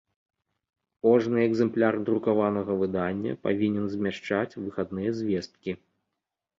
Кожны экзэмпляр друкаванага выдання павiнен змяшчаць выхадныя звесткi.